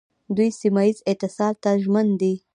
دوی سیمه ییز اتصال ته ژمن دي.